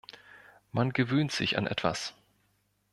Man gewöhnt sich an etwas.